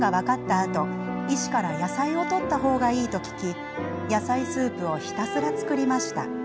あと医師から野菜をとった方がいいと聞き野菜スープをひたすら作りました。